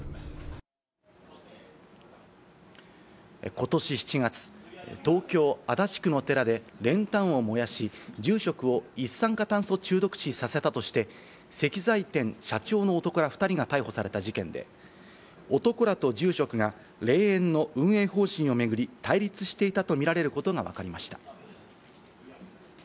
ことし７月、東京・足立区の寺で、練炭を燃やし、住職を一酸化炭素中毒死させたとして、石材店社長の男ら２人が逮捕された事件で、男らと住職が霊園の運営方針を巡り、対立していたとみられることがわかりました。